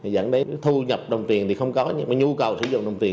dẫn đến thu nhập đồng tiền thì không có nhưng mà nhu cầu sử dụng đồng tiền